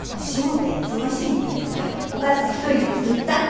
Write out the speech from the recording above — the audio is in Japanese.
しもべえ忙しいみたいだからお母さん１人で作った。